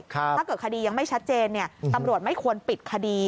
ถ้าเกิดคดียังไม่ชัดเจนตำรวจไม่ควรปิดคดี